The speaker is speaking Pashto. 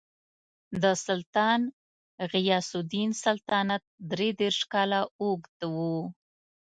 د سلطان غیاث الدین سلطنت درې دېرش کاله اوږد و.